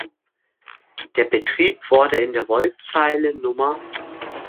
Der Betrieb wurde in der Wollzeile Nr.